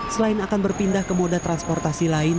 selain akan berpindah ke moda transportasi lain